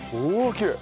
きれい。